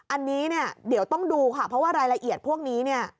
อันนี้เดี๋ยวต้องดูค่ะเพราะว่ารายละเอียดพวกนี้